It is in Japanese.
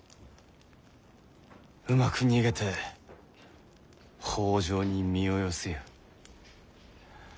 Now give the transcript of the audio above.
うまく逃げて北条に身を寄せよ。